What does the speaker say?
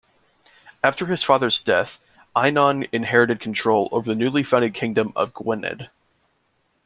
After his father's death, Einion inherited control over the newly founded kingdom of Gwynedd.